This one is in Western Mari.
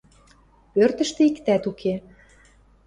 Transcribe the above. Пӧртӹштӹ иктӓт уке.